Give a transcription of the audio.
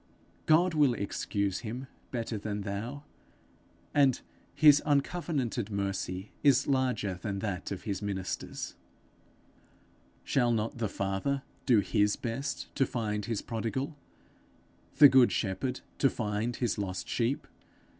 God will excuse him better than thou, and his uncovenanted mercy is larger than that of his ministers. Shall not the Father do his best to find his prodigal? the good shepherd to find his lost sheep?